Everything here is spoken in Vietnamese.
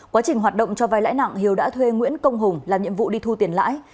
quá trình hoạt động cho vai lãi nặng hiếu đã thuê nguyễn công hùng làm nhiệm vụ đi thu tiền lãi